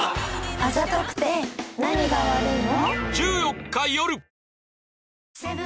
あざとくて何が悪いの？